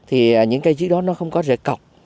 thì những cây chiếc đó nó không có rễ cọc